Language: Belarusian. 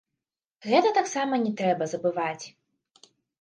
Гэта таксама не трэба забываць.